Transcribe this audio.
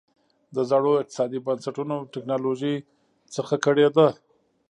د زړو اقتصادي بنسټونو او ټکنالوژۍ څخه کړېده.